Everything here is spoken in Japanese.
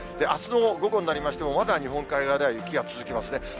あすの午後になりましても、まだ日本海側では雪が続きますね。